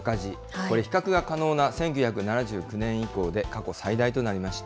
これ、比較が可能な１９７９年以降で過去最大となりました。